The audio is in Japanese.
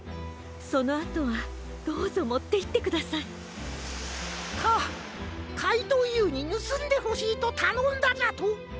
そのあとはどうぞもっていってください。かかいとうＵにぬすんでほしいとたのんだじゃと？